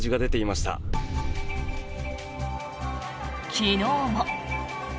昨日も。